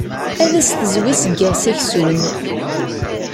Ad as-tezwi seg yiɣes aksum.